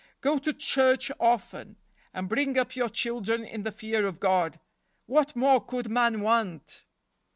Go to church often, and bring up your children in the fear of God. What more could man want